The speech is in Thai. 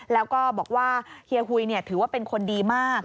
แล้วก็บอกว่าเฮียหุยถือว่าเป็นคนดีมาก